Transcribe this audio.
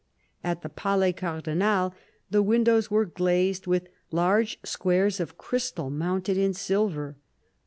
At the Palais Cardinal, the windows.jivere glazed with " large squares of crystal mounted in silver."